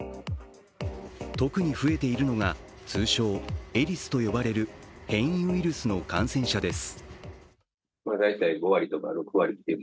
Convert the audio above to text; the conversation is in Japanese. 特に増えているのが、通称エリスと呼ばれる変異ウイルスの感染者です。